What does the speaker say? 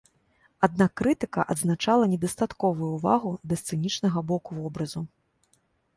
Аднак крытыка адзначала недастатковую ўвагу да сцэнічнага боку вобразу.